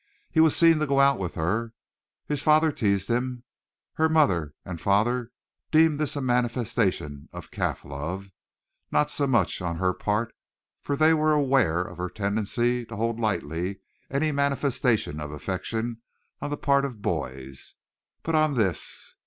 He was seen to go out with her. His father teased him. Her mother and father deemed this a manifestation of calf love, not so much on her part, for they were aware of her tendency to hold lightly any manifestation of affection on the part of boys, but on his.